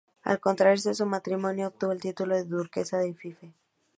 Al contraer su matrimonio, obtuvo el título de duquesa de Fife.